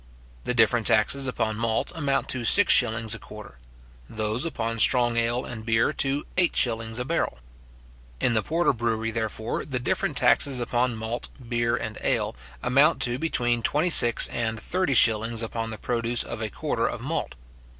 The different taxes upon malt amount to six shillings a quarter; those upon strong ale and beer to eight shillings a barrel. In the porter brewery, therefore, the different taxes upon malt, beer, and ale, amount to between twenty six and thirty shillings upon the produce of a quarter of malt.